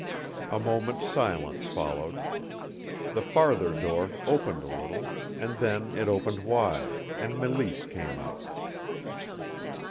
A moment's silence followed. The farther door opened a little, and then it opened wide, and Mélisse came out.